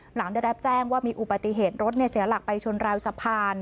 หลังเดี๋ยวแร็บแจ้งว่ามีอุปติเหตุรถเนี่ยเสียหลักไปชนราวสะพาน